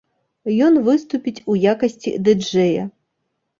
Ён выступіць у якасці ды-джэя.